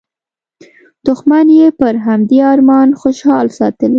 دوښمن یې پر همدې ارمان خوشحال ساتلی.